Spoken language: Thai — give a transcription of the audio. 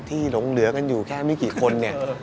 หลงเหลือกันอยู่แค่ไม่กี่คนเนี่ย